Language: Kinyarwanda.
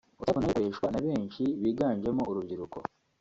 WhatsApp nayo ikoreshwa na benshi biganjemo urubyiruko